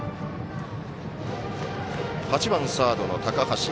８番サードの高橋。